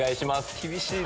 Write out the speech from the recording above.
厳しいな。